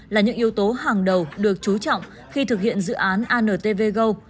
là những yếu tố hàng đầu được trú trọng khi thực hiện dự án antv go